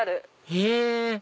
へぇ！